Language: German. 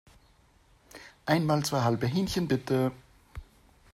Einmal zwei halbe Hähnchen, bitte!